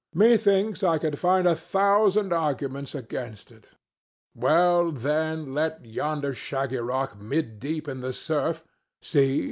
Methinks I could find a thousand arguments against it. Well, then, let yonder shaggy rock mid deep in the surf—see!